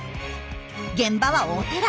現場はお寺。